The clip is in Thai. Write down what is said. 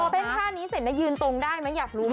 พอเต้นท่านี้เสร็จหน่ะยืนตรงได้ไหมอยากรู้